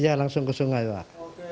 ya langsung ke sungai pak